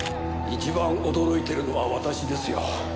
一番驚いているのは私ですよ。